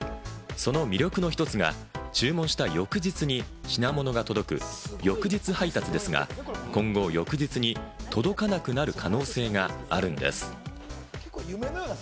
その魅力の一つが注文した翌日に品物が届く翌日配達ですが、今後、翌日に届かなくなる可能性があるんです。